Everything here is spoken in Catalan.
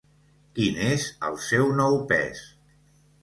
Quin és el seu nou pes?